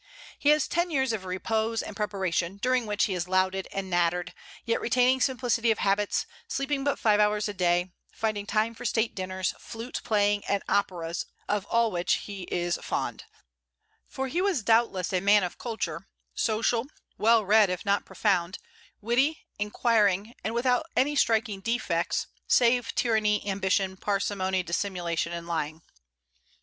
He has ten years of repose and preparation, during which he is lauded and nattered, yet retaining simplicity of habits, sleeping but five hours a day, finding time for state dinners, flute playing, and operas, of all which he is fond; for he was doubtless a man of culture, social, well read if not profound, witty, inquiring, and without any striking defects save tyranny, ambition, parsimony, dissimulation, and lying.